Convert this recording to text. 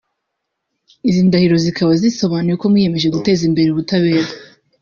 “Izi ndahiro zikaba zisobanura ko mwiyemeje guteza imbere ubutabera